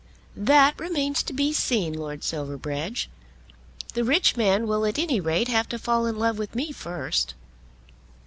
"That remains to be seen, Lord Silverbridge. The rich man will at any rate have to fall in love with me first.